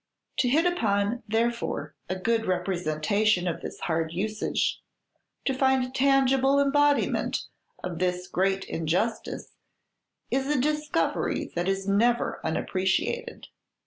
To hit upon, therefore, a good representation of this hard usage, to find a tangible embodiment of this great injustice, is a discovery that is never unappreciated.